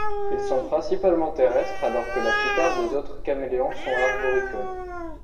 Ils sont principalement terrestres alors que la plupart des autres caméléons sont arboricoles.